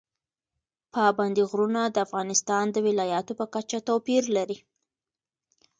پابندي غرونه د افغانستان د ولایاتو په کچه توپیر لري.